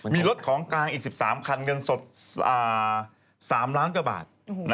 มีรถของกลางอีก๑๓คันเงินสด๓ล้านกว่าบาท